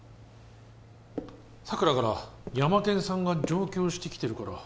佐久良から「ヤマケンさんが上京してきてるから」